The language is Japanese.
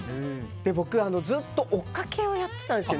僕、ずっと追っかけをやってたんですよ